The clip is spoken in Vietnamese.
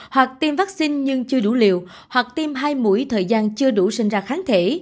hoặc tiêm vaccine nhưng chưa đủ liều hoặc tiêm hai mũi thời gian chưa đủ sinh ra kháng thể